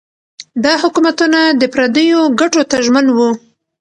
دا حکومتونه د پردیو ګټو ته ژمن وو.